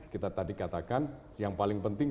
kita tadi katakan yang paling penting